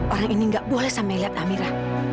orang ini gak boleh sampai lihat amirah